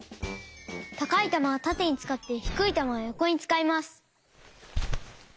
たかいたまはたてにつかってひくいたまはよこにつかいます。